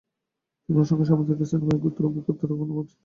তিনি অসংখ্য সামুদ্রিক স্তন্যপায়ীর গোত্র, উপগোত্র, গণ ও প্রজাতির নামকরণ করে।